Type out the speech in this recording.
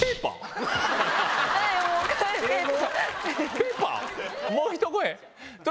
ペーパー？